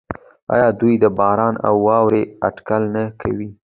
آیا دوی د باران او واورې اټکل نه کوي؟